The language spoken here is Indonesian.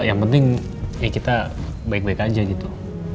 yang penting ya kita baik baik aja gitu